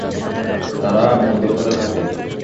তারা মধুপুরে থাকে।